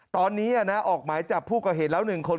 ตอนนี้ออกหมายจับผู้ก่อเหตุแล้ว๑คน